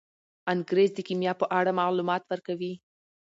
انګریز د کیمیا په اړه معلومات ورکوي.